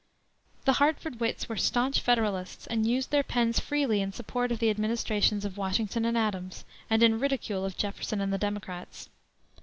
The Hartford Wits were staunch Federalists, and used their pens freely in support of the administrations of Washington and Adams, and in ridicule of Jefferson and the Democrats.